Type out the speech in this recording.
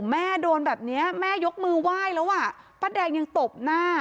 แม่โดนแบบนี้แม่ยกมือไหว้แล้วอ่ะป้าแดงยังตบหน้า